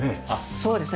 そうですね。